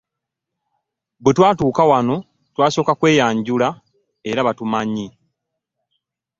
Bwe twatuuka wano twasooka kweyanjula era batumanyi.